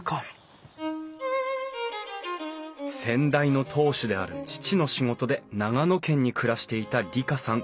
先代の当主である父の仕事で長野県に暮らしていた里香さん